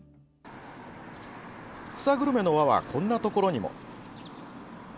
草グルメの輪はこんなところにも。